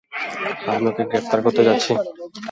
আমি ওকে গ্রেফতার করতে যাচ্ছি।